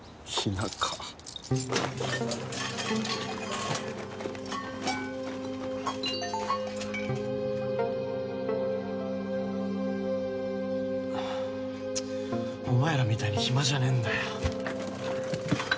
田舎チッお前らみたいに暇じゃねえんだよ